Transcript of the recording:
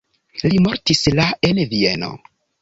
Li mortis la en Vieno.